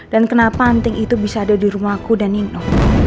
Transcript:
dan kenapa anting itu bisa ada di rumahku dan nino